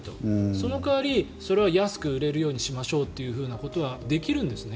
その代わり、それは安く売れるようにしましょうということはできるんですね。